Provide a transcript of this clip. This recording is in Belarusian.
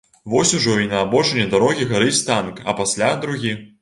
Вось ужо і на абочыне дарогі гарыць танк, а пасля другі.